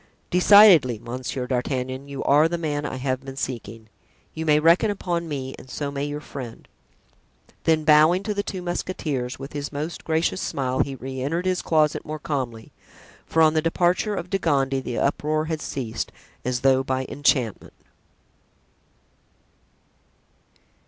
"Decidedly, Monsieur d'Artagnan, you are the man I have been seeking. You may reckon upon me and so may your friend." Then bowing to the two musketeers with his most gracious smile, he re entered his closet more calmly, for on the departure of De Gondy the uproar had ceased as though by enchantment.